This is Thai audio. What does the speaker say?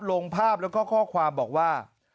ลงภาพแล้วก็ข้อความบอกว่า